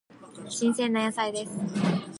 新鮮な野菜です。